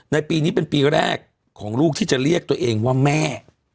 ในปีนี้เป็นปีแรกของลูกที่จะเรียกตัวเองว่าแม่